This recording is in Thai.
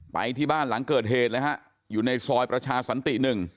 ไปที่บ้านหลังเกิดเหตุเลยฮะอยู่ในซอยประชาสันติ๑